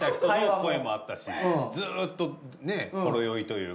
ずっとねほろ酔いという。